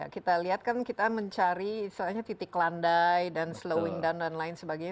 kita lihat kan kita mencari titik landai dan slowing down dan lain sebagainya